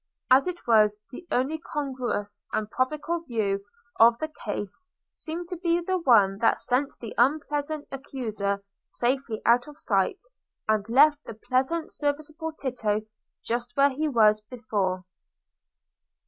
As it was, the only congruous and probable view of the case seemed to be the one that sent the unpleasant accuser safely out of sight, and left the pleasant serviceable Tito just where he was before.